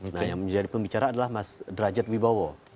nah yang menjadi pembicara adalah mas derajat wibowo